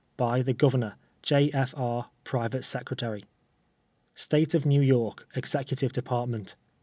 By the Governor. J. F. IJ., Private Secretary. State of New Youk : Executive Department.